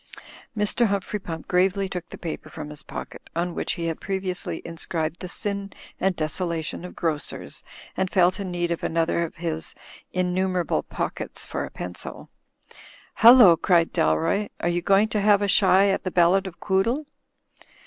Mr. Humphrey Pump gravely took the paper from his pocket, on which he had previously inscribed the sin and desolation of grocers, and felt in another of his innumerable pockets for a pencil. "Hullo," cried Dalroy. "Are you going to have a shy at the Ballad of Quoodle?"